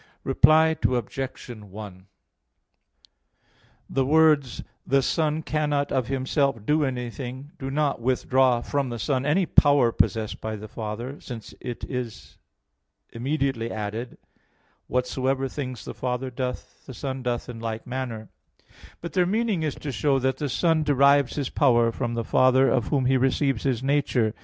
Reply Obj. 1: The words, "the Son cannot of Himself do anything," do not withdraw from the Son any power possessed by the Father, since it is immediately added, "Whatsoever things the Father doth, the Son doth in like manner"; but their meaning is to show that the Son derives His power from the Father, of Whom He receives His nature.